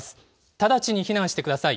直ちに避難してください。